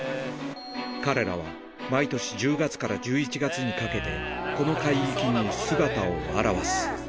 彼らは毎年１０月から１１月にかけて、この海域に姿を現す。